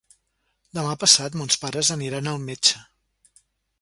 Demà passat mons pares aniran al metge.